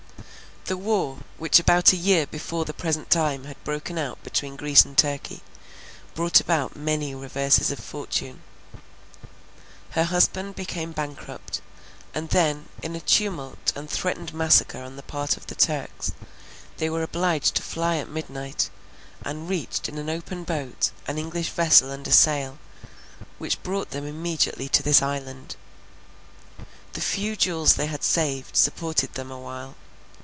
The war, which about a year before the present time had broken out between Greece and Turkey, brought about many reverses of fortune. Her husband became bankrupt, and then in a tumult and threatened massacre on the part of the Turks, they were obliged to fly at midnight, and reached in an open boat an English vessel under sail, which brought them immediately to this island. The few jewels they had saved, supported them awhile.